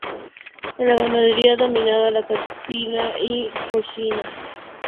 En la ganadería, domina la caprina y la porcina.